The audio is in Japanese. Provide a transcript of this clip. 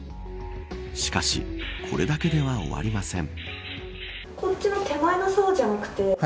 しかしこれだけでは終わりません。